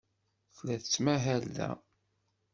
Tella tettmahal da.